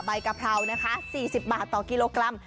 กะเพรานะคะ๔๐บาทต่อกิโลกรัม